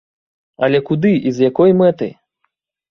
Але куды і з якой мэтай?